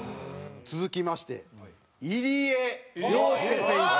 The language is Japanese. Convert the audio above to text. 続きまして入江陵介選手。